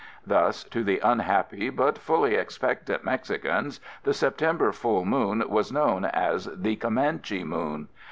Thus, to the unhappy but fully expectant Mexicans, the September full moon was known as the Comanche Moon.